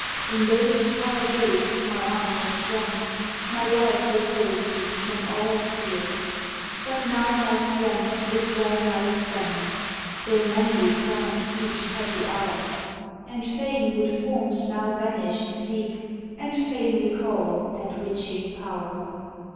In those far days my arm was strong, My love did hold thee from all fear; But now my strength is well nigh spent, Though mem'ry crowns each happy hour, And fain would forms now vanished seek, And fain recall that witching power!